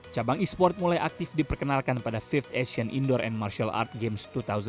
cabang esport mulai aktif diperkenalkan pada lima th asian indoor and martial arts games dua ribu tujuh belas